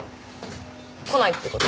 来ないってこと？